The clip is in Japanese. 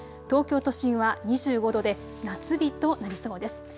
東京都心は２５度で夏日となりそうです。